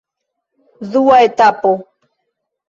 Dua etapo.